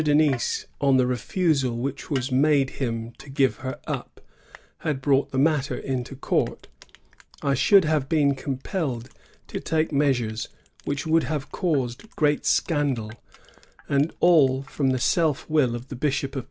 Denis, on the refusal which was made him to give her up, had brought the matter into court, I should have been compelled to take measures which would have caused great scandal, — and all from the self will of the Bishop of